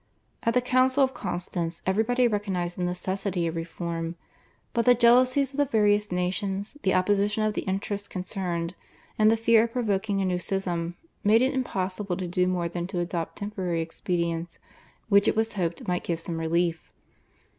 At the Council of Constance everybody recognised the necessity of reform, but the jealousies of the various nations, the opposition of the interests concerned, and the fear of provoking a new schism, made it impossible to do more than to adopt temporary expedients, which, it was hoped, might give some relief.